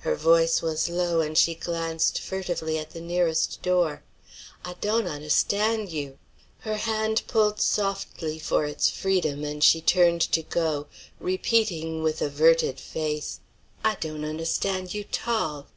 Her voice was low, and she glanced furtively at the nearest door. "I dawn't awnstan you." Her hand pulled softly for its freedom, and she turned to go, repeating, with averted face, "I dawn't awnstan you 't all."